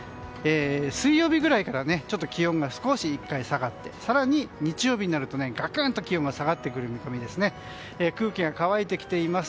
水曜日くらいから気温が少し１回下がって更に日曜日になるとがくんと気温が下がってくる見込みです。